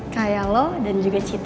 kayak lo dan juga citra